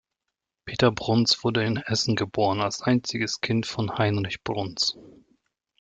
Peter Bruns wurde in Essen geboren als einziges Kind von Heinrich Bruns.